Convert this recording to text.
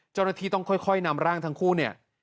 เจ้าหน้าที่ต้องค่อยนำร่างทั้งคู่เนี่ย